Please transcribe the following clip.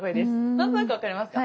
何となく分かりますか。